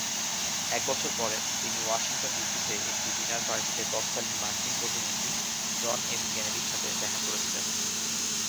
এক বছর পরে, তিনি ওয়াশিংটন ডিসিতে একটি ডিনার পার্টিতে তৎকালীন মার্কিন প্রতিনিধি জন এফ কেনেডির সাথে দেখা করেছিলেন।